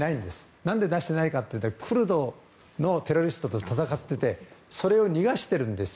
何で出してないかというとクルドのテロリストと戦っててそれを逃がしているんですよ。